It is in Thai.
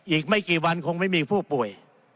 อีกไม่กี่วันคงไม่มีผู้ป่วย